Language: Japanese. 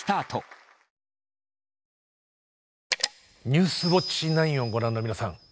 「ニュースウオッチ９」をご覧の皆さん